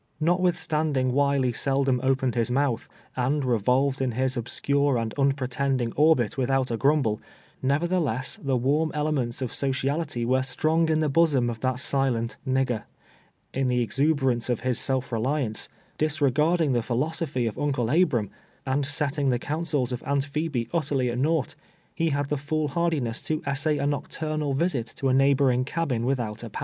Not withstanding AViley sehlom opened his mouth, and revolved in his obscure and unpretending orbit with out a grumble, nevertlieless the warm elements of so ciality were strong in the bosom of that silent " nig ger," In the exuberance of his self reliance, disre garding the philosophy of Uncle Abram, and setting the counsels of Aunt Phebe utterly at naught, he had the fool hardiness to essay a nocturnal visit to a neigh boring cabin M'ithout a pass.